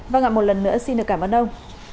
vâng ạ một lần nữa xin được cảm ơn ông